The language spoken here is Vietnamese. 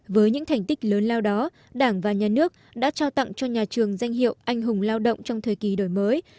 với những thành tích lớn lao đó đảng và nhà nước đã trao tặng cho nhà trường danh hiệu anh hùng lao động trong thời kỳ đổi mới